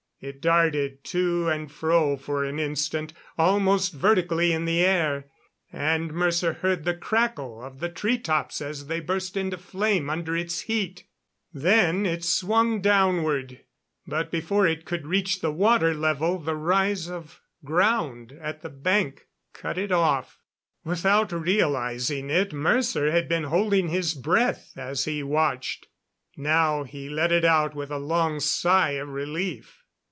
It darted to and fro for an instant, almost vertically in the air, and Mercer heard the crackle of the tree tops as they burst into flame under its heat. Then it swung downward, but before it could reach the water level the rise of ground at the bank cut it off. Without realizing it, Mercer had been holding his breath as he watched. Now he let it out with a long sigh of relief.